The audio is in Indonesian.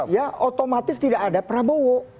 ya otomatis tidak ada prabowo